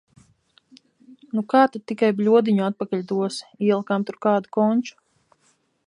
Nu kā tad tikai bļodiņu atpakaļ dosi – ielikām tur kādu konču.